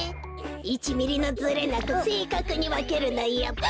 １ミリのずれなくせいかくにわけるのよべ。